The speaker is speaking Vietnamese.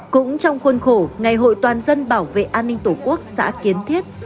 cũng trong khuôn khổ ngày hội toàn dân bảo vệ an ninh tổ quốc xã kiến thiết